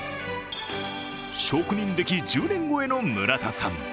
職人歴１０年超えの村田さん。